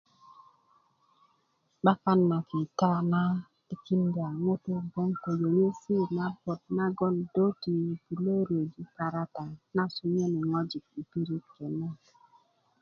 'bakan na kita na tikinda ŋutu bgoŋ ko yeiyesi na bot nagon do ti ne riyöju parata na sonyöni ŋojik i pirit kenet